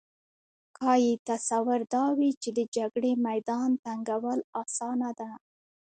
ښايي تصور دا وي چې د جګړې میدان تنګول اسانه ده